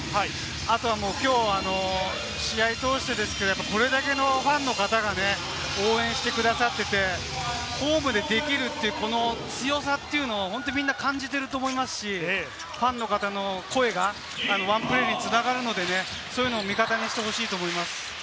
あとはきょう、試合を通してこれだけのファンの方がね、応援してくださっていて、ホームでできるというこの強さというのをみんな感じていると思いますし、ファンの方の声がワンプレーに繋がるのでね、そういうのを味方にしてほしいと思います。